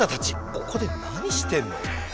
ここで何してるの？